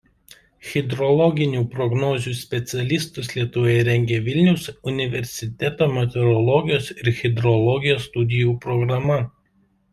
Hidrologinių prognozių specialistus Lietuvoje rengia Vilniaus universiteto Meteorologijos ir hidrologijos studijų programa.